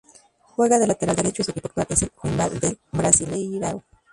Juega de lateral derecho y su equipo actual es el Joinville del Brasileirão.